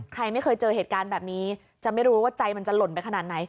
ใครไม่เคยเจอเหตุการณ์แบบนี้จะไม่รู้ว่าใจมันจะหล่นไปขนาดไหน